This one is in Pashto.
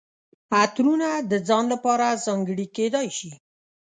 عطرونه د ځان لپاره ځانګړي کیدای شي.